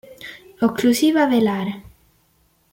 Occlusiva velare